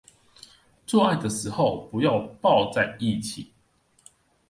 做愛的時候不要抱在一起